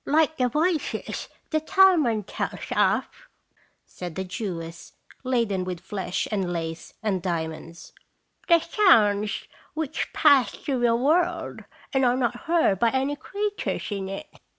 " Like the voices the Talmud tells of," said a Jewess, laden with flesh and lace and dia monds, "the sounds which pass through the world, and are not heard by any creatures in it."